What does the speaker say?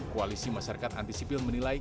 koalisi masyarakat anti sipil menilai